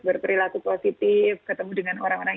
berperilaku positif ketemu dengan orang orang